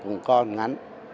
cũng còn ngắn